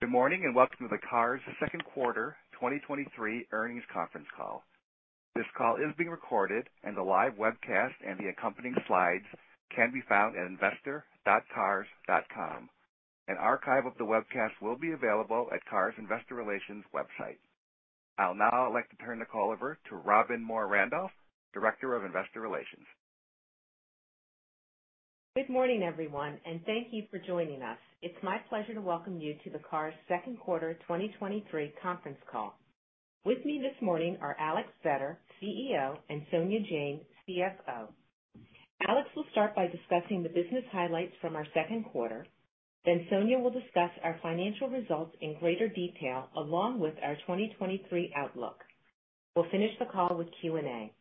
Good morning, and welcome to the Cars.com's Q2 2023 earnings conference call. This call is being recorded and a live webcast and the accompanying slides can be found at investor.cars.com. An archive of the webcast will be available at Cars.com Investor Relations website. I'll now like to turn the call over to Robin Moore-Randolph, Director of Investor Relations. Good morning, everyone, and thank you for joining us. It's my pleasure to welcome you to the Cars Q2 2023 conference call. With me this morning are Alex Vetter, CEO, and Sonia James, CFO. Alex will start by discussing the business highlights from our Q2. Sonia will discuss our financial results in greater detail, along with our 2023 outlook. We'll finish the call with Q&A.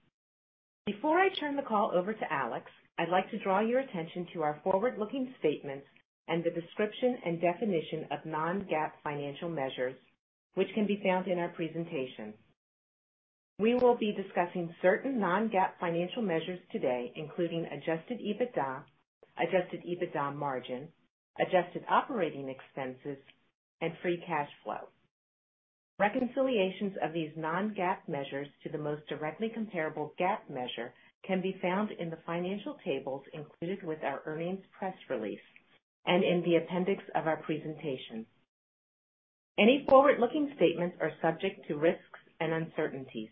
Before I turn the call over to Alex, I'd like to draw your attention to our forward-looking statements and the description and definition of non-GAAP financial measures, which can be found in our presentation. We will be discussing certain non-GAAP financial measures today, including Adjusted EBITDA, Adjusted EBITDA margin, Adjusted operating expenses, and Free cash flow. Reconciliations of these non-GAAP measures to the most directly comparable GAAP measure can be found in the financial tables included with our earnings press release and in the appendix of our presentation. Any forward-looking statements are subject to risks and uncertainties.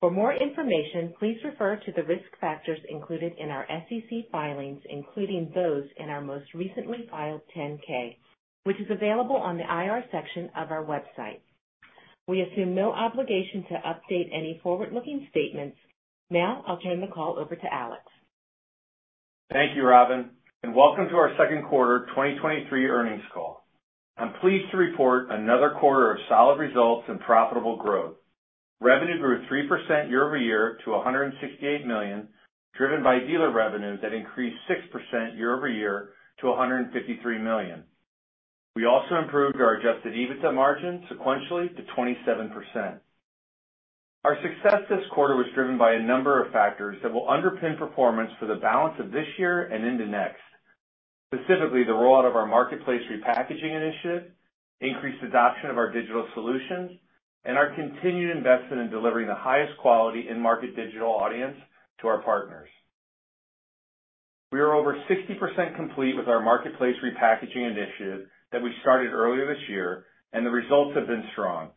For more information, please refer to the risk factors included in our SEC filings, including those in our most recently filed Form 10-K, which is available on the IR section of our website. We assume no obligation to update any forward-looking statements. Now I'll turn the call over to Alex. Thank you, Robin. Welcome to our Q2 2023 earnings call. I'm pleased to report another quarter of solid results and profitable growth. Revenue grew 3% year-over-year to $168 million, driven by dealer revenues that increased 6% year-over-year to $153 million. We also improved our Adjusted EBITDA margin sequentially to 27%. Our success this quarter was driven by a number of factors that will underpin performance for the balance of this year and into next. Specifically, the rollout of our marketplace repackaging initiative, increased adoption of our digital solutions, and our continued investment in delivering the highest quality in-market digital audience to our partners. We are over 60% complete with our marketplace repackaging initiative that we started earlier this year, and the results have been strong.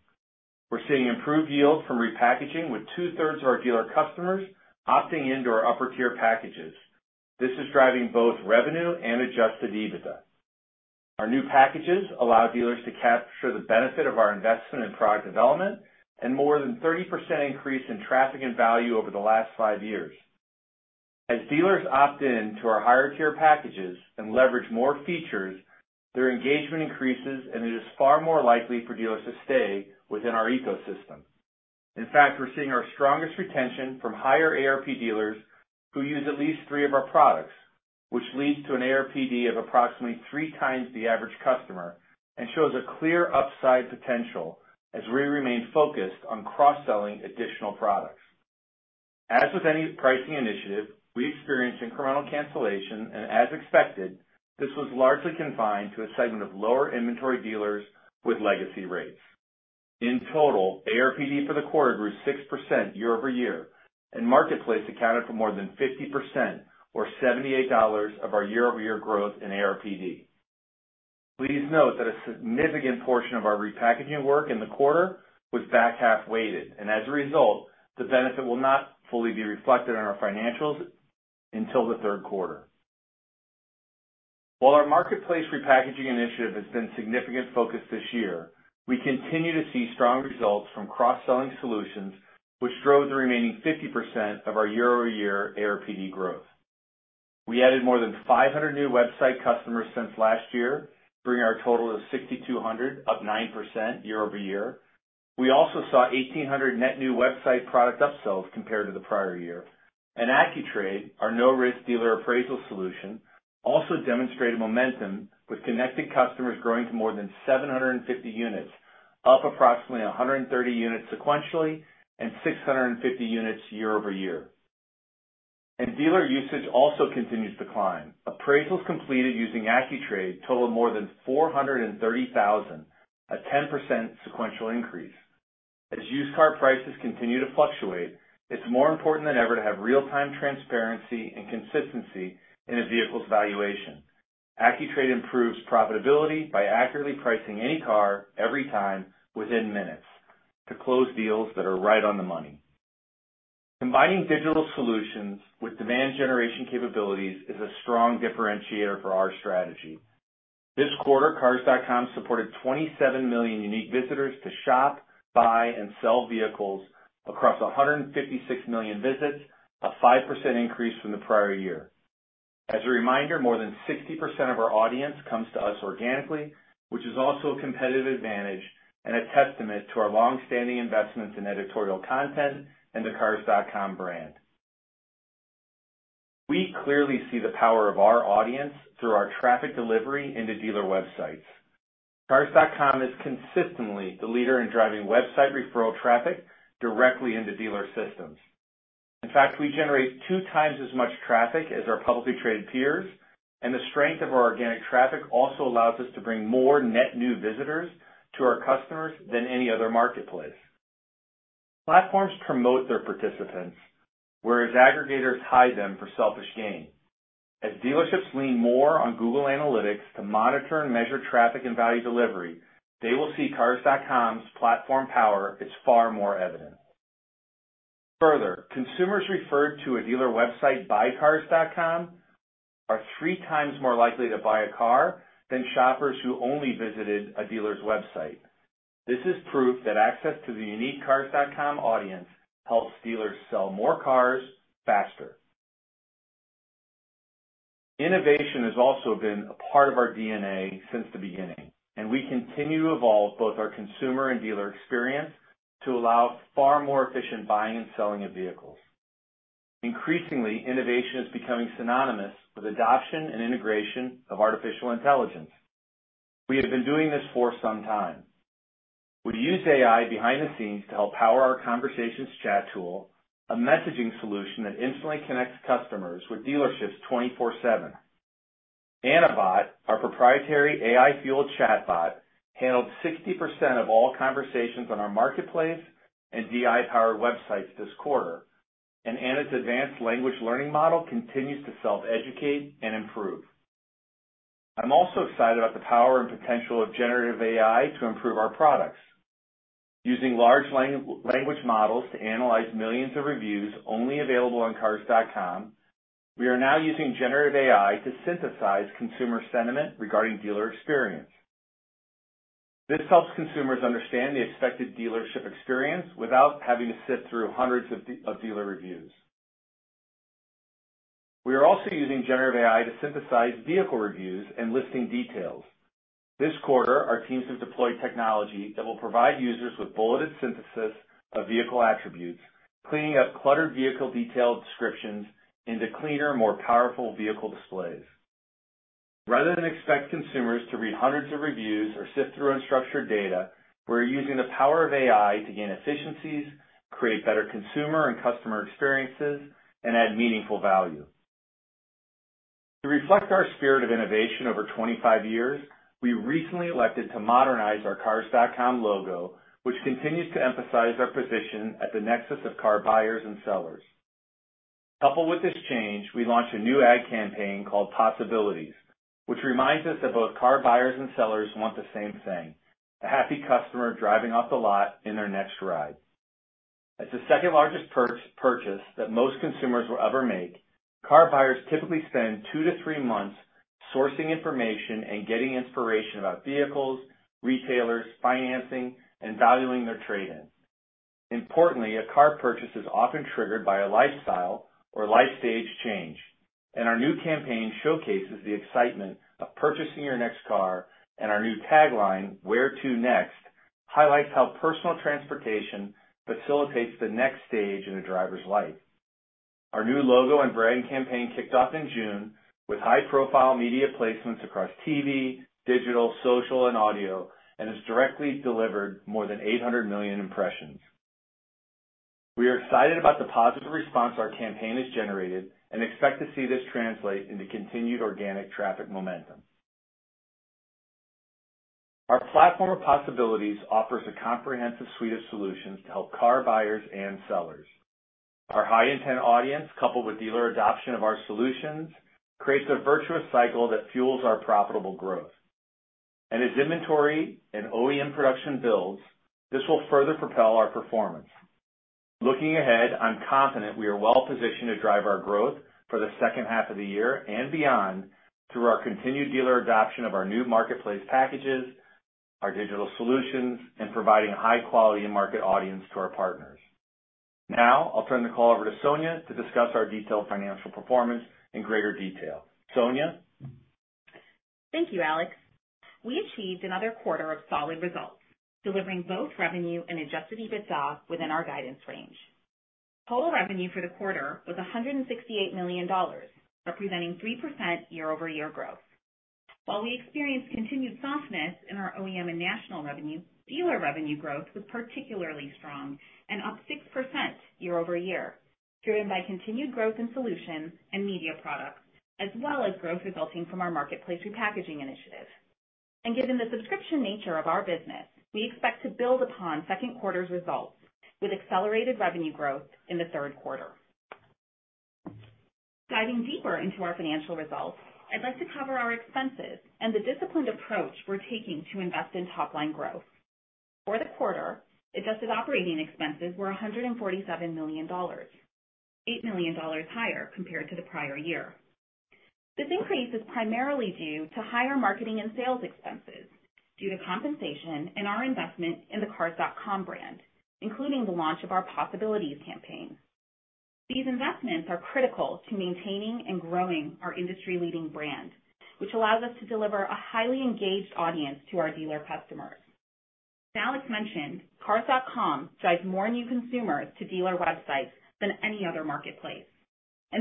We're seeing improved yield from repackaging, with two-thirds of our dealer customers opting into our upper-tier packages. This is driving both revenue and Adjusted EBITDA. Our new packages allow dealers to capture the benefit of our investment in product development and more than 30% increase in traffic and value over the last five years. As dealers opt in to our higher-tier packages and leverage more features, their engagement increases, and it is far more likely for dealers to stay within our ecosystem. In fact, we're seeing our strongest retention from higher ARPD dealers who use at least three of our products, which leads to an ARPD of approximately 3x the average customer and shows a clear upside potential as we remain focused on cross-selling additional products. As with any pricing initiative, we experienced incremental cancellation, and as expected, this was largely confined to a segment of lower inventory dealers with legacy rates. In total, ARPD for the quarter grew 6% year-over-year, and Marketplace accounted for more than 50% or $78 of our year-over-year growth in ARPD. Please note that a significant portion of our repackaging work in the quarter was back-half weighted, and as a result, the benefit will not fully be reflected in our financials until the Q3. While our marketplace repackaging initiative has been a significant focus this year, we continue to see strong results from cross-selling solutions, which drove the remaining 50% of our year-over-year ARPD growth. We added more than 500 new website customers since last year, bringing our total to 6,200, up 9% year-over-year. We also saw 1,800 net new website product upsells compared to the prior year. AccuTrade, our no risk dealer appraisal solution, also demonstrated momentum with connecting customers growing to more than 750 units, up approximately 130 units sequentially and 650 units year-over-year. Dealer usage also continues to climb. Appraisals completed using AccuTrade totaled more than 430,000, a 10% sequential increase. As used car prices continue to fluctuate, it's more important than ever to have real-time transparency and consistency in a vehicle's valuation. AccuTrade improves profitability by accurately pricing any car every time within minutes to close deals that are right on the money. Combining digital solutions with demand generation capabilities is a strong differentiator for our strategy. This quarter, Cars.com supported 27 million unique visitors to shop, buy, and sell vehicles across 156 million visits, a 5% increase from the prior year. As a reminder, more than 60% of our audience comes to us organically, which is also a competitive advantage and a testament to our long-standing investments in editorial content and the Cars.com brand. We clearly see the power of our audience through our traffic delivery into dealer websites. Cars.com is consistently the leader in driving website referral traffic directly into dealer systems. In fact, we generate 2x as much traffic as our publicly traded peers, and the strength of our organic traffic also allows us to bring more net new visitors to our customers than any other marketplace. Platforms promote their participants, whereas aggregators hide them for selfish gain. As dealerships lean more on Google Analytics to monitor and measure traffic and value delivery, they will see Cars.com's platform power is far more evident. Further, consumers referred to a dealer website by Cars.com are 3x more likely to buy a car than shoppers who only visited a dealer's website. This is proof that access to the unique Cars.com audience helps dealers sell more cars faster. Innovation has also been a part of our DNA since the beginning, and we continue to evolve both our consumer and dealer experience to allow far more efficient buying and selling of vehicles. Increasingly, innovation is becoming synonymous with adoption and integration of artificial intelligence. We have been doing this for some time. We use AI behind the scenes to help power our conversations chat tool, a messaging solution that instantly connects customers with dealerships 24/7. Anna Bot, our proprietary AI-fueled chatbot, handled 60% of all conversations on our marketplace and DI-powered websites this quarter. Anna's advanced language learning model continues to self-educate and improve. I'm also excited about the power and potential of generative AI to improve our products. Using large language models to analyze millions of reviews only available on Cars.com, we are now using generative AI to synthesize consumer sentiment regarding dealer experience. This helps consumers understand the expected dealership experience without having to sift through hundreds of dealer reviews. We are also using generative AI to synthesize vehicle reviews and listing details. This quarter, our teams have deployed technology that will provide users with bulleted synthesis of vehicle attributes, cleaning up cluttered vehicle detail descriptions into cleaner, more powerful vehicle displays. Rather than expect consumers to read hundreds of reviews or sift through unstructured data, we're using the power of AI to gain efficiencies, create better consumer and customer experiences, and add meaningful value. To reflect our spirit of innovation over 25 years, we recently elected to modernize our Cars.com logo, which continues to emphasize our position at the nexus of car buyers and sellers. Coupled with this change, we launched a new ad campaign called Possibilities, which reminds us that both car buyers and sellers want the same thing, a happy customer driving off the lot in their next ride. As the second largest purchase that most consumers will ever make, car buyers typically spend 2-3 months sourcing information and getting inspiration about vehicles, retailers, financing, and valuing their trade-in. Importantly, a car purchase is often triggered by a lifestyle or life stage change. Our new campaign showcases the excitement of purchasing your next car. Our new tagline, "Where to next?" highlights how personal transportation facilitates the next stage in a driver's life. Our new logo and branding campaign kicked off in June with high-profile media placements across TV, digital, social, and audio. Has directly delivered more than 800 million impressions. We are excited about the positive response our campaign has generated. Expect to see this translate into continued organic traffic momentum. Our platform of Possibilities offers a comprehensive suite of solutions to help car buyers and sellers. Our high intent audience, coupled with dealer adoption of our solutions, creates a virtuous cycle that fuels our profitable growth. As inventory and OEM production builds, this will further propel our performance. Looking ahead, I'm confident we are well positioned to drive our growth for the H2 of the year and beyond through our continued dealer adoption of our new marketplace packages, our digital solutions, and providing high quality and market audience to our partners. Now, I'll turn the call over to Sonia to discuss our detailed financial performance in greater detail. Sonia? Thank you, Alex. We achieved another quarter of solid results, delivering both revenue and Adjusted EBITDA within our guidance range. Total revenue for the quarter was $168 million, representing 3% year-over-year growth. While we experienced continued softness in our OEM and national revenue, dealer revenue growth was particularly strong and up 6% year-over-year, driven by continued growth in solutions and media products, as well as growth resulting from our marketplace repackaging initiative. Given the subscription nature of our business, we expect to build upon Q2's results with accelerated revenue growth in the Q3. Diving deeper into our financial results, I'd like to cover our expenses and the disciplined approach we're taking to invest in top line growth. For the quarter, Adjusted operating expenses were $147 million, $8 million higher compared to the prior year. This increase is primarily due to higher marketing and sales expenses due to compensation and our investment in the Cars.com brand, including the launch of our Possibilities campaign. These investments are critical to maintaining and growing our industry-leading brand, which allows us to deliver a highly engaged audience to our dealer customers.... As Alex mentioned, Cars.com drives more new consumers to dealer websites than any other marketplace.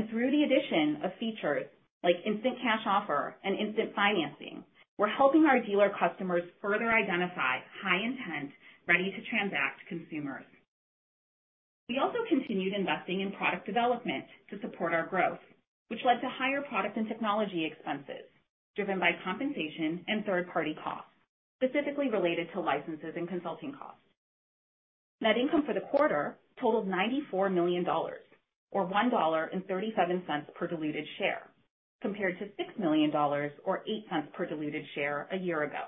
Through the addition of features like instant cash offer and instant financing, we're helping our dealer customers further identify high intent, ready-to-transact consumers. We also continued investing in product development to support our growth, which led to higher product and technology expenses, driven by compensation and third-party costs, specifically related to licenses and consulting costs. Net income for the quarter totaled $94 million, or $1.37 per diluted share, compared to $6 million, or $0.08 per diluted share a year ago.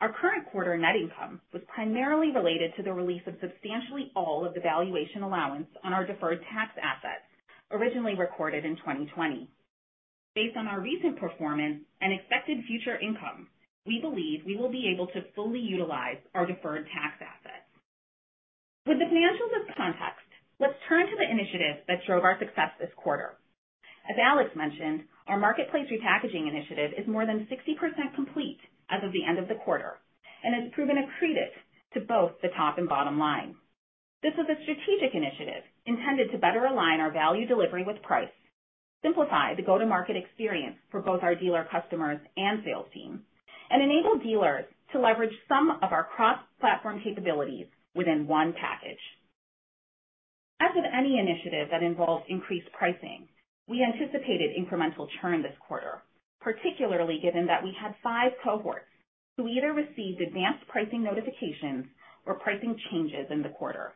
Our current quarter net income was primarily related to the release of substantially all of the valuation allowance on our deferred tax assets, originally recorded in 2020. Based on our recent performance and expected future income, we believe we will be able to fully utilize our deferred tax assets. With the financials in context, let's turn to the initiatives that drove our success this quarter. As Alex mentioned, our marketplace repackaging initiative is more than 60% complete as of the end of the quarter, and has proven accretive to both the top and bottom line. This was a strategic initiative intended to better align our value delivery with price, simplify the go-to-market experience for both our dealer customers and sales team, and enable dealers to leverage some of our cross-platform capabilities within one package. As with any initiative that involves increased pricing, we anticipated incremental churn this quarter, particularly given that we had five cohorts who either received advanced pricing notifications or pricing changes in the quarter.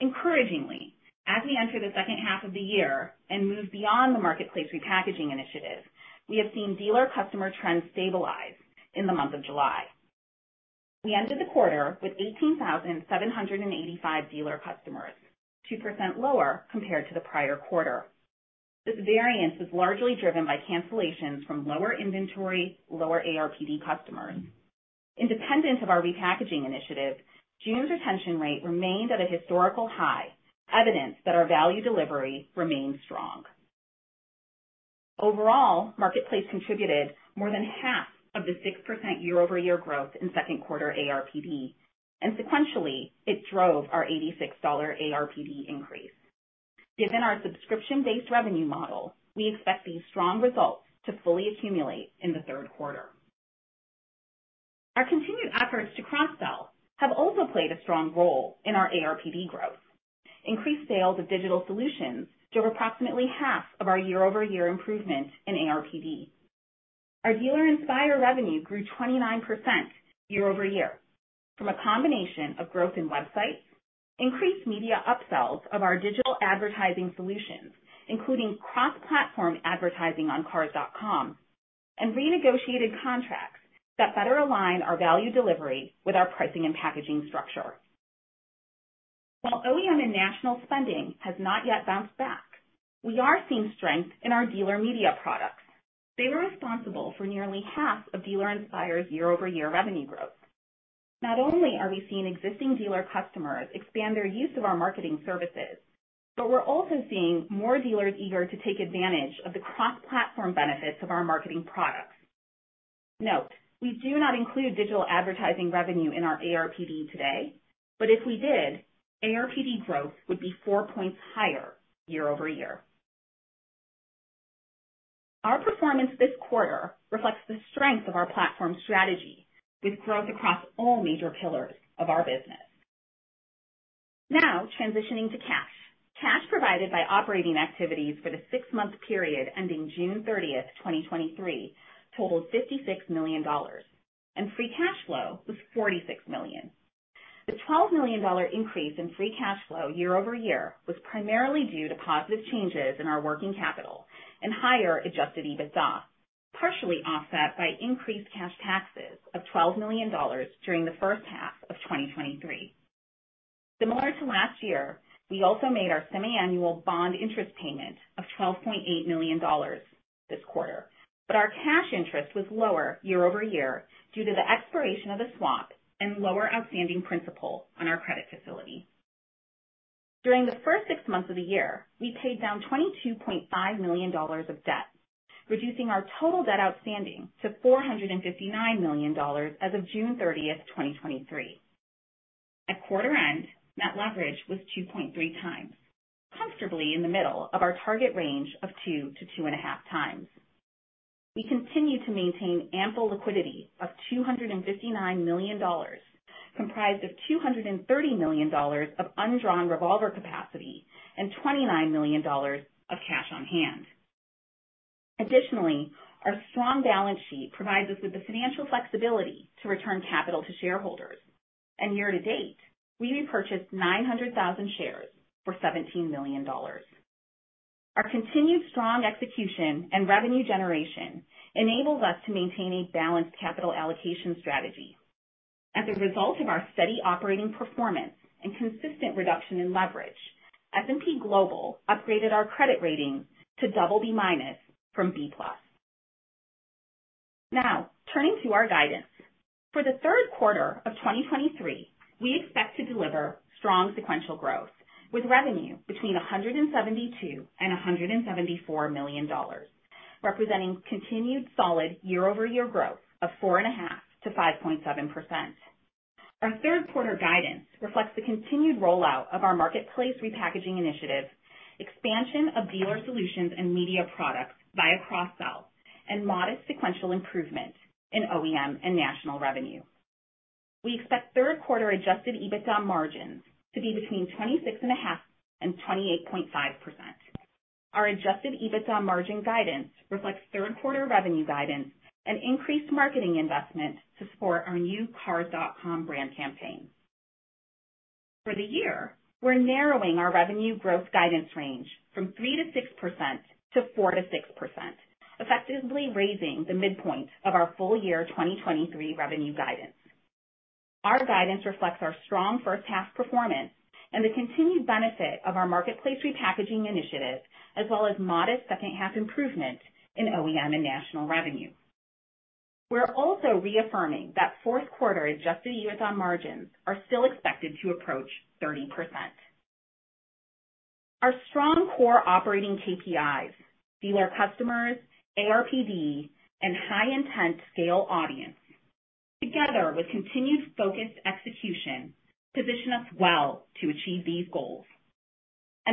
Encouragingly, as we enter the H2 of the year and move beyond the marketplace repackaging initiative, we have seen dealer customer trends stabilize in the month of July. We ended the quarter with 18,785 dealer customers, 2% lower compared to the prior quarter. This variance was largely driven by cancellations from lower inventory, lower ARPD customers. Independent of our repackaging initiative, June's retention rate remained at a historical high, evidence that our value delivery remains strong. Overall, marketplace contributed more than half of the 6% year-over-year growth in Q2 ARPD. Sequentially, it drove our $86 ARPD increase. Given our subscription-based revenue model, we expect these strong results to fully accumulate in the Q3. Our continued efforts to cross-sell have also played a strong role in our ARPD growth. Increased sales of digital solutions drove approximately half of our year-over-year improvement in ARPD. Our Dealer Inspire revenue grew 29% year-over-year from a combination of growth in websites, increased media upsells of our digital advertising solutions, including cross-platform advertising on Cars.com, renegotiated contracts that better align our value delivery with our pricing and packaging structure. While OEM and national spending has not yet bounced back, we are seeing strength in our dealer media products. They were responsible for nearly half of Dealer Inspire's year-over-year revenue growth. Not only are we seeing existing dealer customers expand their use of our marketing services, we're also seeing more dealers eager to take advantage of the cross-platform benefits of our marketing products. Note, we do not include digital advertising revenue in our ARPD today, if we did, ARPD growth would be four points higher year-over-year. Our performance this quarter reflects the strength of our platform strategy, with growth across all major pillars of our business. Transitioning to cash. Cash provided by operating activities for the six-month period ending June thirtieth, twenty twenty-three, totaled $56 million, free cash flow was $46 million. The $12 million increase in free cash flow year-over-year was primarily due to positive changes in our working capital and higher Adjusted EBITDA, partially offset by increased cash taxes of $12 million during the H1 of 2023. Similar to last year, we also made our semi-annual bond interest payment of $12.8 million this quarter, but our cash interest was lower year-over-year due to the expiration of the swap and lower outstanding principal on our credit facility. During the first six months of the year, we paid down $22.5 million of debt, reducing our total debt outstanding to $459 million as of June 30, 2023. At quarter end, net leverage was 2.3x, comfortably in the middle of our target range of 2 to 2.5x. We continue to maintain ample liquidity of $259 million, comprised of $230 million of undrawn revolver capacity and $29 million of cash on hand. Additionally, our strong balance sheet provides us with the financial flexibility to return capital to shareholders. Year to date, we repurchased 900,000 shares for $17 million. Our continued strong execution and revenue generation enables us to maintain a balanced capital allocation strategy. As a result of our steady operating performance and consistent reduction in leverage, S&P Global upgraded our credit rating to BB- from B+. Now, turning to our guidance. For the Q3 of 2023, we expect to deliver strong sequential growth with revenue between $172 million and $174 million. representing continued solid year-over-year growth of 4.5%-5.7%. Our Q3 guidance reflects the continued rollout of our marketplace repackaging initiative, expansion of dealer solutions and media products via cross-sell, and modest sequential improvement in OEM and national revenue. We expect Q3 adjusted EBITDA margins to be between 26.5% and 28.5%. Our adjusted EBITDA margin guidance reflects Q3 revenue guidance and increased marketing investment to support our new Cars.com brand campaign. For the year, we're narrowing our revenue growth guidance range from 3%-6% to 4%-6%, effectively raising the midpoint of our full year 2023 revenue guidance. Our guidance reflects our strong H1 performance and the continued benefit of our marketplace repackaging initiative, as well as modest H2 improvements in OEM and national revenue. We're also reaffirming that Q4 Adjusted EBITDA margins are still expected to approach 30%. Our strong core operating KPIs, dealer customers, ARPD, and high intent scale audience, together with continued focused execution, position us well to achieve these goals.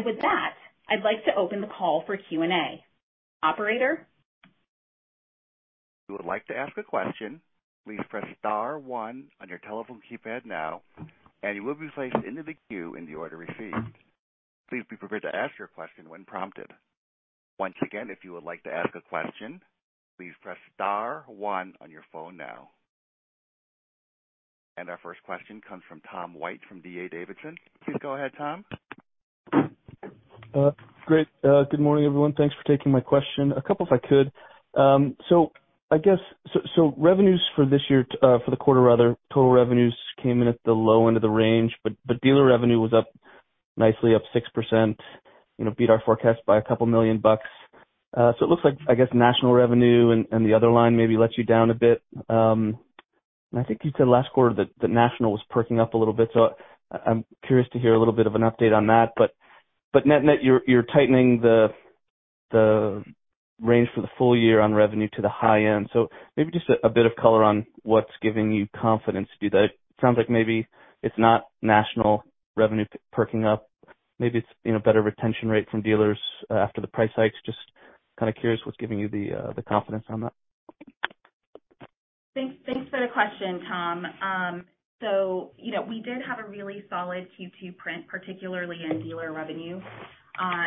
With that, I'd like to open the call for Q&A. Operator? If you would like to ask a question, please press star one on your telephone keypad now, and you will be placed into the queue in the order received. Please be prepared to ask your question when prompted. Once again, if you would like to ask a question, please press star one on your phone now. Our first question comes from Tom White, from D.A. Davidson. Please go ahead, Tom. Great. Good morning, everyone. Thanks for taking my question. A couple, if I could. I guess so, so revenues for this year, for the quarter rather, total revenues came in at the low end of the range, but, but dealer revenue was up nicely, up 6%, you know, beat our forecast by $2 million. It looks like, I guess, national revenue and, and the other line maybe let you down a bit. I think you said last quarter that the national was perking up a little bit, so I, I'm curious to hear a little bit of an update on that. Net-net, you're, you're tightening the, the range for the full year on revenue to the high end. Maybe just a, a bit of color on what's giving you confidence to do that. It sounds like maybe it's not national revenue perking up. Maybe it's, you know, better retention rate from dealers after the price hikes. Just kind of curious what's giving you the confidence on that? Thanks, thanks for the question, Tom. So you know, we did have a really solid Q2 print, particularly in dealer revenue.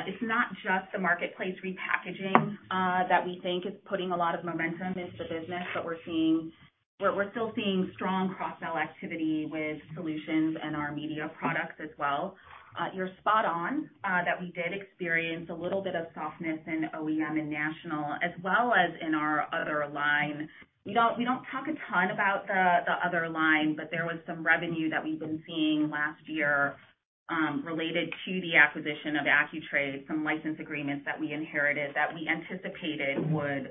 It's not just the marketplace repackaging that we think is putting a lot of momentum into the business, but we're seeing... We're, we're still seeing strong cross-sell activity with solutions and our media products as well. You're spot on that we did experience a little bit of softness in OEM and national, as well as in our other line. We don't, we don't talk a ton about the, the other line, but there was some revenue that we've been seeing last year, related to the acquisition of AccuTrade, some license agreements that we inherited that we anticipated would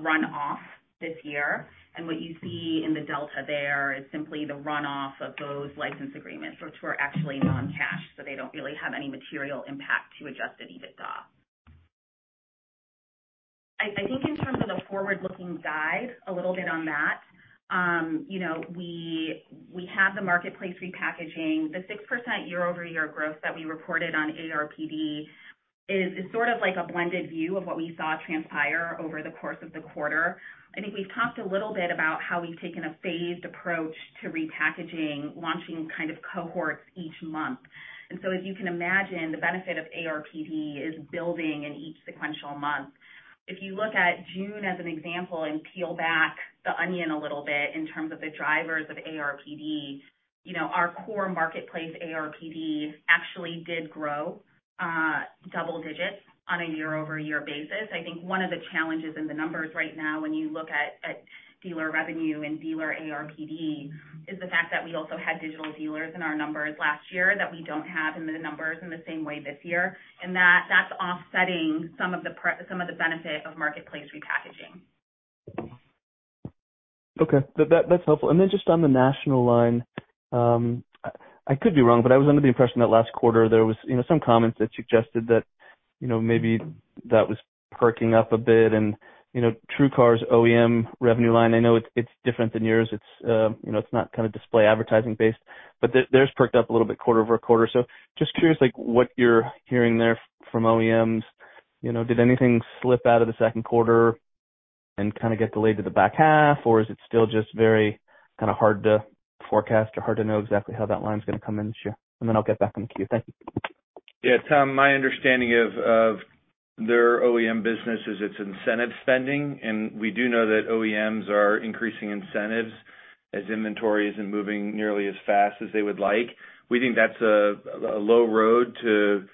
run off this year. What you see in the delta there is simply the runoff of those license agreements, which were actually non-cash, so they don't really have any material impact to Adjusted EBITDA. I think in terms of the forward-looking guide, a little bit on that, you know, we have the marketplace repackaging. The 6% year-over-year growth that we reported on ARPD is sort of like a blended view of what we saw transpire over the course of the quarter. I think we've talked a little bit about how we've taken a phased approach to repackaging, launching kind of cohorts each month. So as you can imagine, the benefit of ARPD is building in each sequential month. If you look at June as an example and peel back the onion a little bit in terms of the drivers of ARPD, you know, our core marketplace ARPD actually did grow double digits on a year-over-year basis. I think one of the challenges in the numbers right now when you look at, at dealer revenue and dealer ARPD, is the fact that we also had digital dealers in our numbers last year that we don't have in the numbers in the same way this year. That's offsetting some of the benefit of marketplace repackaging. Okay. That, that's helpful. Then just on the national line, I could be wrong, but I was under the impression that last quarter there was, you know, some comments that suggested that, you know, maybe that was perking up a bit. You know, TrueCar's OEM revenue line, I know it's, it's different than yours. It's, you know, it's not kind of display advertising based, but their, theirs perked up a little bit quarter over quarter. Just curious, like, what you're hearing there from OEMs. You know, did anything slip out of the Q2 and kind of get delayed to the back half? Or is it still just very kind of hard to forecast or hard to know exactly how that line is going to come in this year? Then I'll get back on the queue. Thank you. Yeah, Tom, my understanding of their OEM business is it's incentive spending. We do know that OEMs are increasing incentives as inventory isn't moving nearly as fast as they would like. We think that's a, a low road to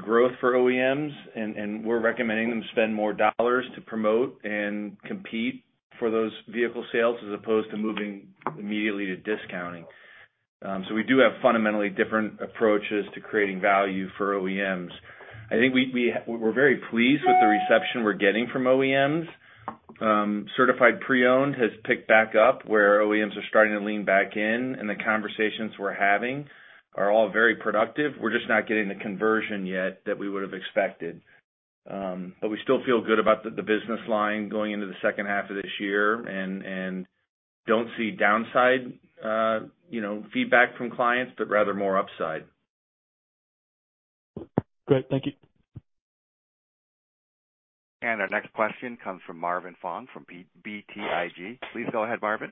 growth for OEMs, and we're recommending them spend more dollars to promote and compete for those vehicle sales as opposed to moving immediately to discounting. We do have fundamentally different approaches to creating value for OEMs. I think we're very pleased with the reception we're getting from OEMs. Certified pre-owned has picked back up, where OEMs are starting to lean back in, and the conversations we're having are all very productive. We're just not getting the conversion yet that we would have expected. We still feel good about the, the business line going into the H2 of this year and, and don't see downside, you know, feedback from clients, but rather more upside. Great. Thank you. Our next question comes from Marvin Fong from BTIG. Please go ahead, Marvin.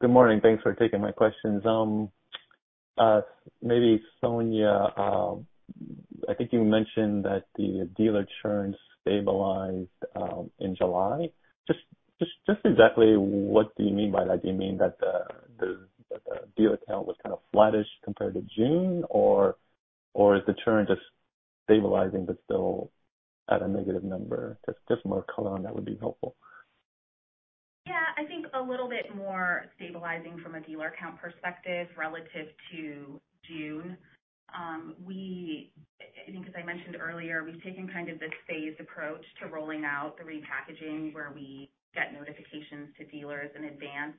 Good morning. Thanks for taking my questions. Maybe Sonia, I think you mentioned that the dealer churn stabilized in July. Exactly what do you mean by that? Do you mean that the dealer count was kind of flattish compared to June, or is the churn just stabilizing but still at a negative number? More color on that would be helpful. I think a little bit more stabilizing from a dealer count perspective relative to June. I think as I mentioned earlier, we've taken kind of this phased approach to rolling out the repackaging, where we get notifications to dealers in advance.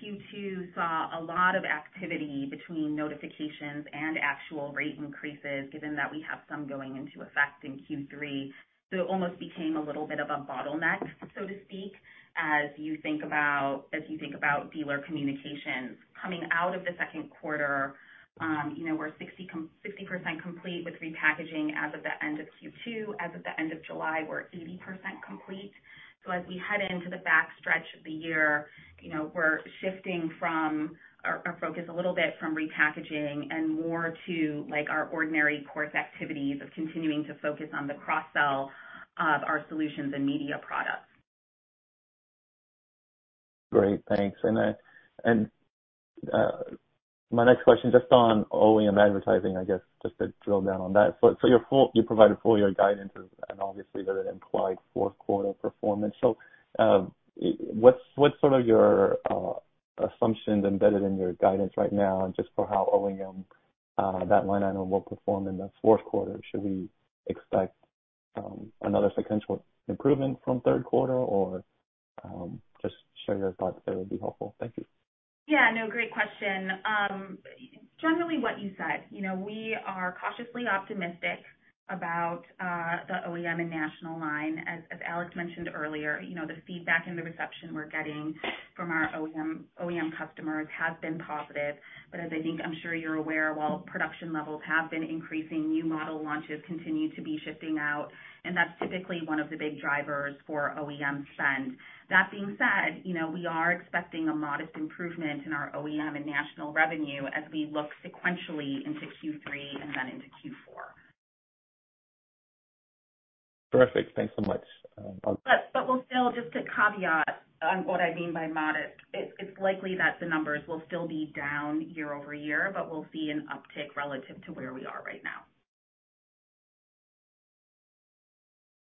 Q2 saw a lot of activity between notifications and actual rate increases, given that we have some going into effect in Q3. It almost became a little bit of a bottleneck, so to speak, as you think about, as you think about dealer communications. Coming out of the Q2, you know, we're 60% complete with repackaging as of the end of Q2. As of the end of July, we're 80% complete. As we head into the back stretch of the year, you know, we're shifting from, our, our focus a little bit from repackaging and more to, like, our ordinary course activities of continuing to focus on the cross-sell of our solutions and media products. Great, thanks. My next question, just on OEM advertising, I guess, just to drill down on that. Your full year guidance and obviously the implied Q4 performance. What's, what's sort of your assumptions embedded in your guidance right now, just for how OEM that line item will perform in the Q4? Should we expect another sequential improvement from Q3? Or, just share your thoughts there would be helpful. Thank you. Yeah. No, great question. Generally what you said. You know, we are cautiously optimistic about the OEM and national line. As, as Alex mentioned earlier, you know, the feedback and the reception we're getting from our OEM, OEM customers has been positive. As I think, I'm sure you're aware, while production levels have been increasing, new model launches continue to be shifting out, and that's typically one of the big drivers for OEM spend. That being said, you know, we are expecting a modest improvement in our OEM and national revenue as we look sequentially into Q3 and then into Q4. Perfect. Thanks so much, We'll still just to caveat on what I mean by modest. It's likely that the numbers will still be down year-over-year, but we'll see an uptick relative to where we are right now.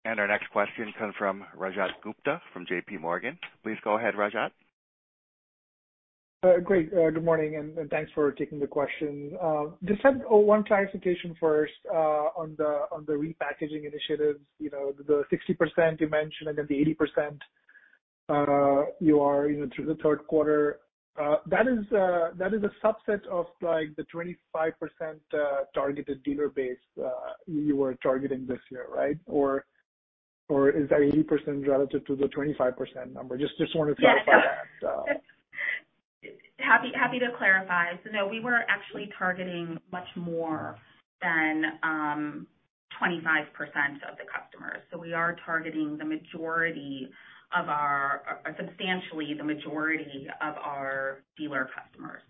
Our next question comes from Rajat Gupta from JP Morgan. Please go ahead, Rajat. Great. Good morning, and thanks for taking the question. Just have one clarification first on the repackaging initiatives. You know, the 60% you mentioned and then the 80% you are, you know, through the Q3. That is, that is a subset of, like, the 25% targeted dealer base you were targeting this year, right? Or, is that 80% relative to the 25% number? Just, just wanted to clarify that, so. Happy, happy to clarify. No, we were actually targeting much more than 25% of the customers. We are targeting the majority of our... Or substantially the majority of our dealer customers.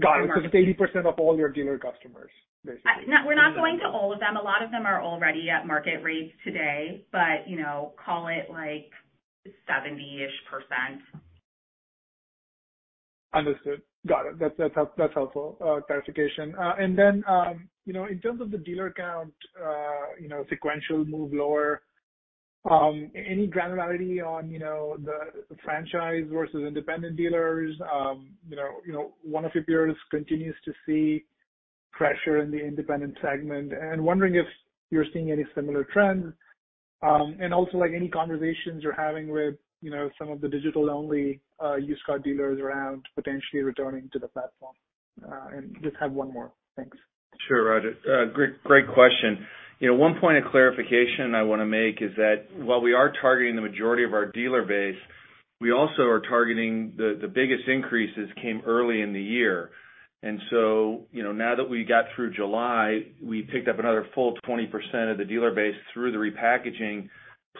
Got it. It's 80% of all your dealer customers, basically? No, we're not going to all of them. A lot of them are already at market rates today, you know, call it like seventy-ish %. Understood. Got it. That's, that's, that's helpful clarification. You know, in terms of the dealer count, you know, sequential move lower, any granularity on, you know, the franchise versus independent dealers? You know, you know, one of your peers continues to see pressure in the independent segment and wondering if you're seeing any similar trends. Like, any conversations you're having with, you know, some of the digital-only, used car dealers around potentially returning to the platform? Just have one more. Thanks. Sure, Rajat. Great, great question. You know, one point of clarification I want to make is that while we are targeting the majority of our dealer base, we also are targeting the, the biggest increases came early in the year. You know, now that we got through July, we picked up another full 20% of the dealer base through the repackaging.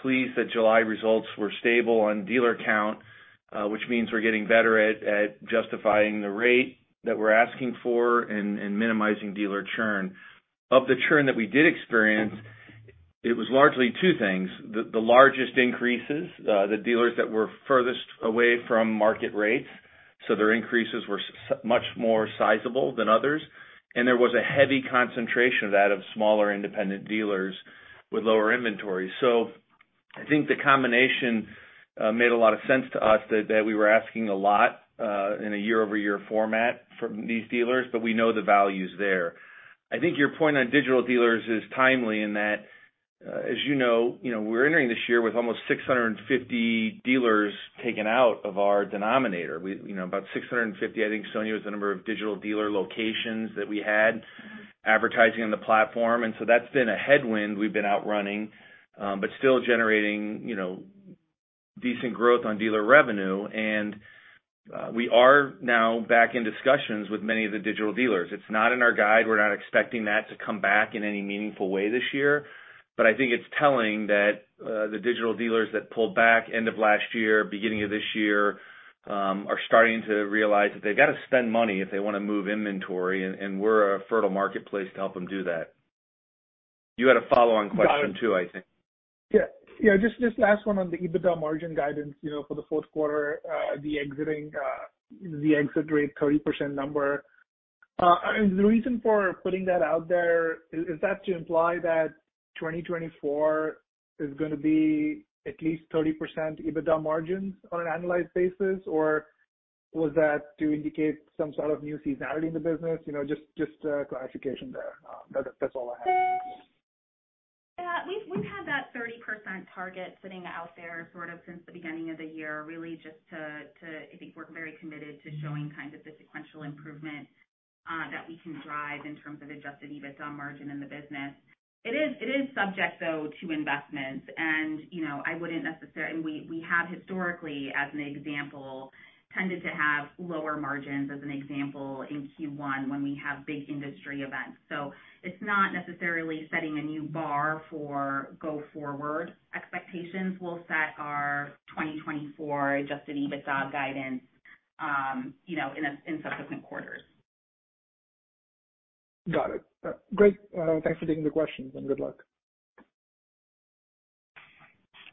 Pleased that July results were stable on dealer count, which means we're getting better at, at justifying the rate that we're asking for and, and minimizing dealer churn. Of the churn that we did experience, it was largely 2 things. The, the largest increases, the dealers that were furthest away from market rates, so their increases were much more sizable than others. There was a heavy concentration of that, of smaller independent dealers with lower inventory. I think the combination made a lot of sense to us that, that we were asking a lot in a year-over-year format from these dealers, but we know the value is there. I think your point on digital dealers is timely in that, as you know, you know, we're entering this year with almost 650 dealers taken out of our denominator. We, you know, about 650, I think, Sonya, was the number of digital dealer locations that we had advertising on the platform, and so that's been a headwind we've been outrunning, but still generating, you know, decent growth on dealer revenue. We are now back in discussions with many of the digital dealers. It's not in our guide. We're not expecting that to come back in any meaningful way this year. I think it's telling that the digital dealers that pulled back end of last year, beginning of this year, are starting to realize that they've got to spend money if they wanna move inventory, and, and we're a fertile marketplace to help them do that. You had a follow-on question, too, I think. Yeah. Yeah, just, just last one on the EBITDA margin guidance, you know, for the Q4, the exiting, the exit rate, 30% number. The reason for putting that out there, is, is that to imply that 2024 is gonna be at least 30% EBITDA margins on an annualized basis? Was that to indicate some sort of new seasonality in the business? You know, just, just clarification there. That's, that's all I had. Yeah, we've, we've had that 30% target sitting out there sort of since the beginning of the year, really just to I think we're very committed to showing kind of the sequential improvement that we can drive in terms of Adjusted EBITDA margin in the business. It is, it is subject, though, to investments and, you know, I wouldn't necessarily. We, we have historically, as an example, tended to have lower margins as an example in Q1 when we have big industry events. It's not necessarily setting a new bar for go forward expectations. We'll set our 2024 Adjusted EBITDA guidance, you know, in subsequent quarters. Got it. Great. Thanks for taking the questions, and good luck.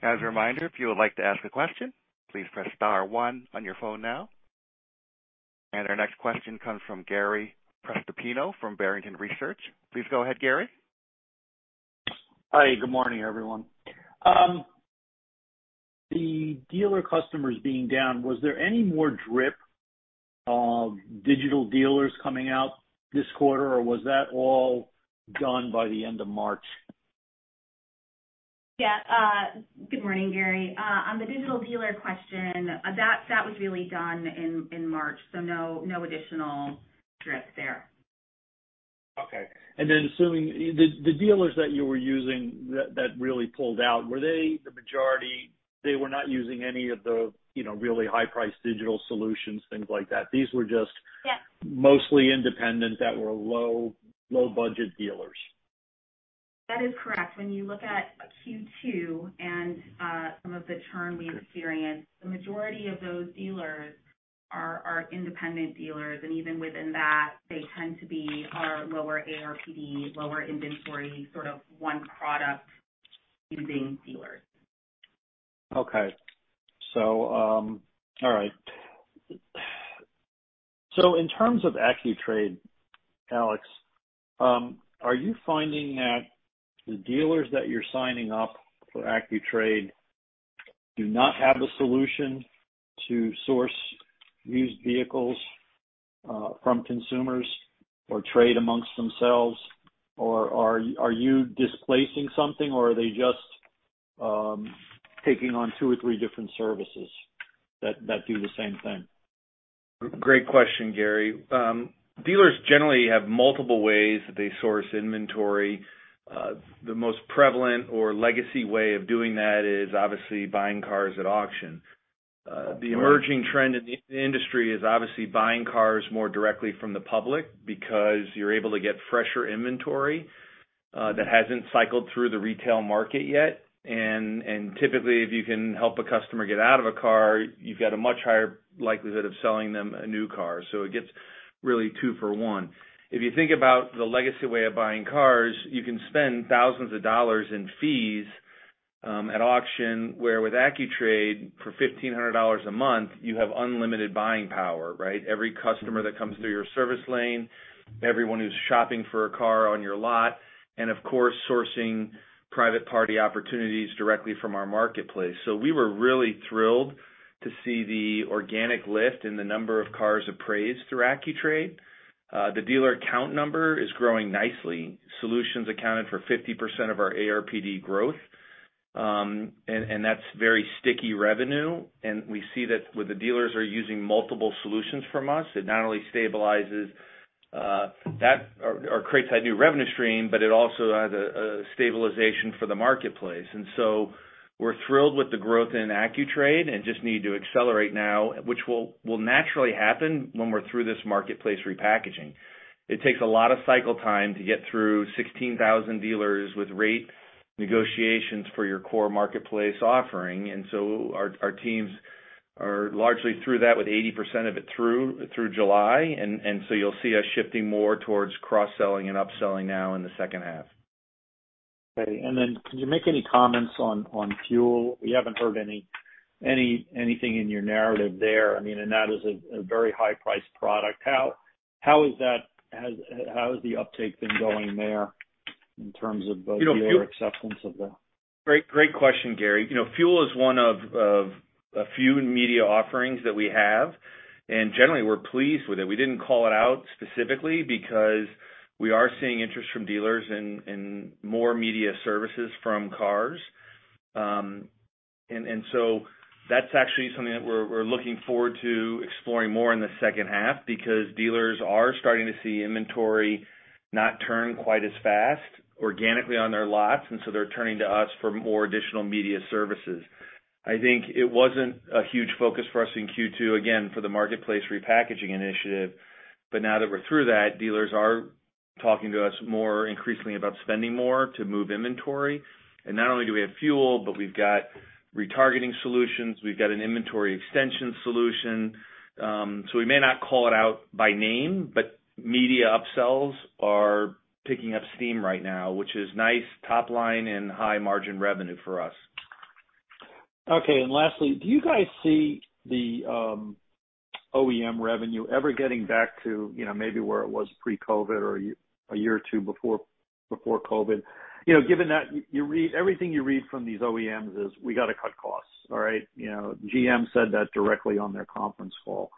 As a reminder, if you would like to ask a question, please press star one on your phone now. Our next question comes from Gary Prestopino from Barrington Research. Please go ahead, Gary. Hi, good morning, everyone. The dealer customers being down, was there any more drip of digital dealers coming out this quarter, or was that all gone by the end of March? Yeah, good morning, Gary. On the digital dealer question, that, that was really done in, in March, so no, no additional drip there. Okay. Then assuming the, the dealers that you were using that, that really pulled out, were they the majority? They were not using any of the, you know, really high-priced digital solutions, things like that. These were just- Yeah. mostly independent, that were low, low-budget dealers. That is correct. When you look at Q2 and some of the churn we experienced, the majority of those dealers are independent dealers, and even within that, they tend to be our lower ARPD, lower inventory, sort of one product using dealers. All right. In terms of AccuTrade, Alex, are you finding that the dealers that you're signing up for AccuTrade do not have the solution to source used vehicles from consumers or trade amongst themselves? Are you displacing something, or are they just taking on two or three different services that do the same thing? Great question, Gary. Dealers generally have multiple ways that they source inventory. The most prevalent or legacy way of doing that is obviously buying cars at auction. The emerging trend in the industry is obviously buying cars more directly from the public because you're able to get fresher inventory that hasn't cycled through the retail market yet. Typically, if you can help a customer get out of a car, you've got a much higher likelihood of selling them a new car, so it gets really two for one. If you think about the legacy way of buying cars, you can spend thousands of dollars in fees at auction, where with AccuTrade, for $1,500 a month, you have unlimited buying power, right? Every customer that comes through your service lane, everyone who's shopping for a car on your lot, and of course, sourcing private party opportunities directly from our marketplace. We were really thrilled to see the organic lift in the number of cars appraised through AccuTrade. The dealer count number is growing nicely. Solutions accounted for 50% of our ARPD growth, and that's very sticky revenue. We see that when the dealers are using multiple solutions from us, it not only stabilizes that or creates a new revenue stream, but it also adds a stabilization for the marketplace. We're thrilled with the growth in AccuTrade and just need to accelerate now, which will naturally happen when we're through this marketplace repackaging. It takes a lot of cycle time to get through 16,000 dealers with rate negotiations for your core marketplace offering, and so our, our teams are largely through that, with 80% of it through, through July. So you'll see us shifting more towards cross-selling and upselling now in the H2. Okay. Then, can you make any comments on, on Fuel? We haven't heard anything in your narrative there. I mean, that is a, a very high priced product. How has the uptake been going there in terms of...? You know. the acceptance of that? Great, great question, Gary. You know, Fuel is one of, of a few media offerings that we have, and generally, we're pleased with it. We didn't call it out specifically because we are seeing interest from dealers in, in more media services from Cars. So that's actually something that we're, we're looking forward to exploring more in the H2, because dealers are starting to see inventory not turn quite as fast organically on their lots, and so they're turning to us for more additional media services. I think it wasn't a huge focus for us in Q2, again, for the marketplace repackaging initiative, but now that we're through that, dealers are talking to us more increasingly about spending more to move inventory. Not only do we have Fuel, but we've got retargeting solutions. We've got an inventory extension solution. We may not call it out by name, but media upsells are picking up steam right now, which is nice top line and high margin revenue for us. Okay. Lastly, do you guys see the OEM revenue ever getting back to, you know, maybe where it was pre-COVID or a year or 2 before, before COVID? You know, given that you read everything you read from these OEMs is, "We gotta cut costs," all right? You know, GM said that directly on their conference call.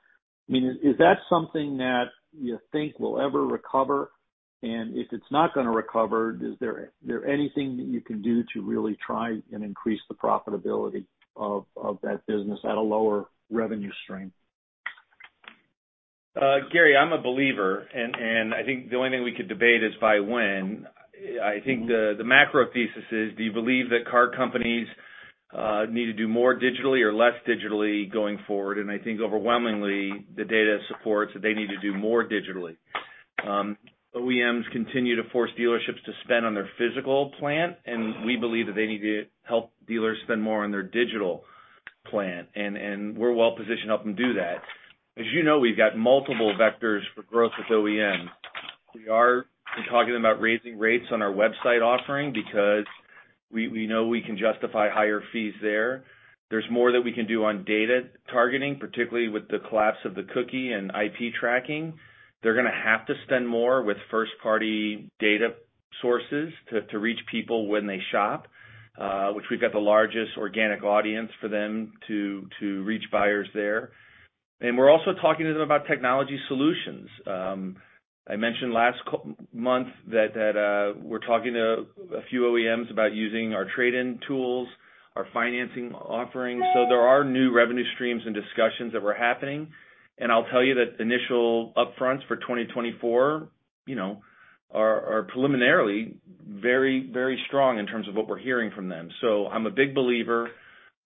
I mean, is that something that you think will ever recover? If it's not gonna recover, is there anything that you can do to really try and increase the profitability of that business at a lower revenue stream? Gary, I'm a believer, and, and I think the only thing we could debate is by when. I think the, the macro thesis is, do you believe that car companies, need to do more digitally or less digitally going forward? I think overwhelmingly, the data supports that they need to do more digitally. OEMs continue to force dealerships to spend on their physical plan, and we believe that they need to help dealers spend more on their digital plan, and, and we're well positioned to help them do that. As you know, we've got multiple vectors for growth with OEM. We are talking about raising rates on our website offering, because we, we know we can justify higher fees there. There's more that we can do on data targeting, particularly with the collapse of the cookie and IP tracking. They're gonna have to spend more with first-party data sources to reach people when they shop, which we've got the largest organic audience for them to reach buyers there. We're also talking to them about technology solutions. I mentioned last month we're talking to a few OEMs about using our trade-in tools, our financing offerings. There are new revenue streams and discussions that were happening. I'll tell you that the initial upfronts for 2024, you know, are preliminarily very, very strong in terms of what we're hearing from them. I'm a big believer.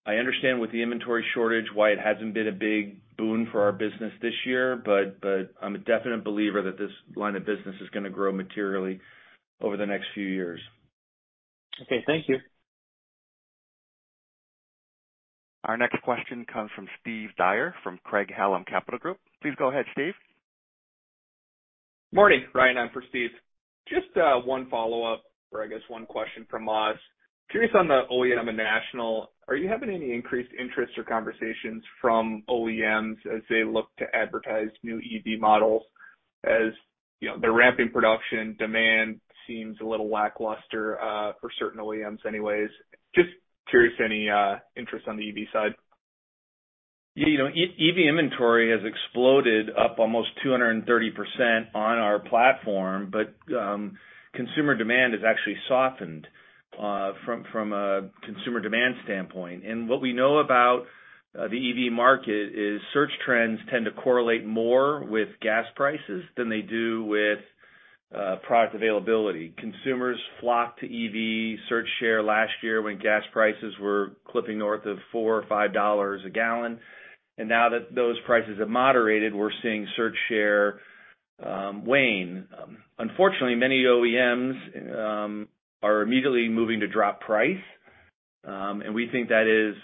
I understand with the inventory shortage, why it hasn't been a big boon for our business this year, but I'm a definite believer that this line of business is gonna grow materially over the next few years. Okay, thank you. Our next question comes from Steve Dyer, from Craig-Hallum Capital Group. Please go ahead, Steve. Morning, Ryan. I'm for Steve. Just, one follow-up or I guess one question from Oz. Curious on the OEM and national, are you having any increased interest or conversations from OEMs as they look to advertise new EV models? As, you know, they're ramping production, demand seems a little lackluster, for certain OEMs anyways. Just curious, any interest on the EV side? Yeah, you know, EV inventory has exploded up almost 230% on our platform, but consumer demand has actually softened from, from a consumer demand standpoint. What we know about the EV market is search trends tend to correlate more with gas prices than they do with product availability. Consumers flocked to EV search share last year when gas prices were clipping north of $4 or $5 a gallon, now that those prices have moderated, we're seeing search share wane. Unfortunately, many OEMs are immediately moving to drop price, and we think that is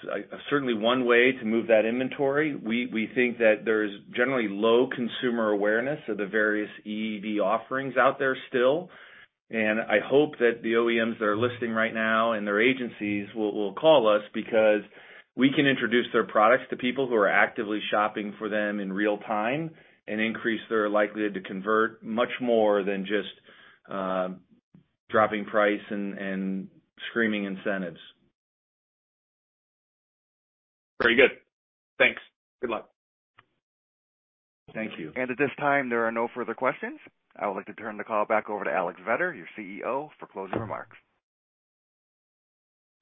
certainly one way to move that inventory. We, we think that there's generally low consumer awareness of the various EV offerings out there still. I hope that the OEMs that are listening right now and their agencies will, will call us because we can introduce their products to people who are actively shopping for them in real time and increase their likelihood to convert much more than just dropping price and, and screaming incentives. Very good. Thanks. Good luck. Thank you. At this time, there are no further questions. I would like to turn the call back over to Alex Vetter, your CEO, for closing remarks.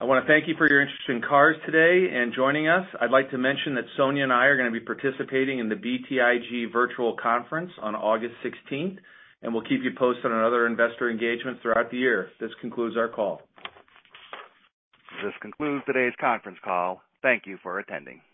I wanna thank you for your interest in CARS today and joining us. I'd like to mention that Sonia and I are gonna be participating in the BTIG Virtual Conference on August 16th, and we'll keep you posted on another investor engagement throughout the year. This concludes our call. This concludes today's conference call. Thank you for attending. The host-